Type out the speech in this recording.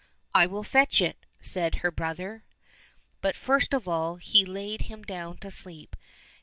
—" I will fetch it," said her brother. But first of all he laid him down to sleep.